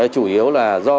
chủ yếu là do